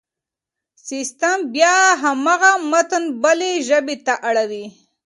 سيستم بيا هماغه متن بلې ژبې ته اړوي.